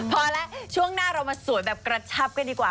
พอแล้วช่วงหน้าเรามาสวยแบบกระชับกันดีกว่า